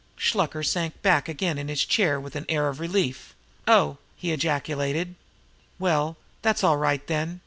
Shluker sank back again in his chair with an air of relief. "Oh!" he ejaculated. "Well, that's all right, then.